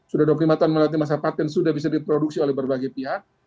sudah dua puluh lima tahun melewati masa patent sudah bisa diproduksi oleh berbagai pihak